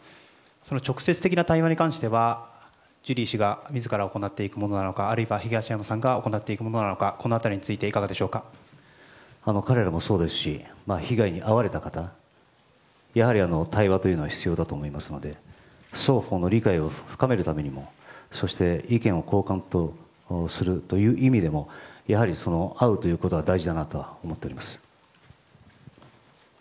その直接的な対話に関してはジュリー氏が自ら行っていくものなのかあるいは東山さんが行っていくものなのかこの辺りについて彼らもそうですし被害に遭われた方やはり、対話というのは必要だと思いますので双方の理解を深めるためにもそして意見を交換するという意味でもやはり会うということは大事だと思っております。